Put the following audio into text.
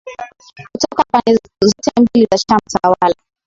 kutoka pande zote mbili za chama tawala